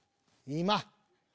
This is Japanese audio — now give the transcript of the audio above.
今！